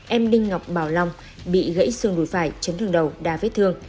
em đinh ngọc bảo long bị gãy xương đuôi phải chấn thương đầu đa vết thương